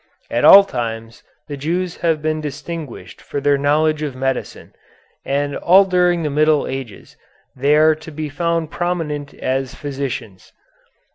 At all times the Jews have been distinguished for their knowledge of medicine, and all during the Middle Ages they are to be found prominent as physicians.